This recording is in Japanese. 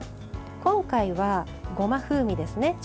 今回は、ごま風味ですね。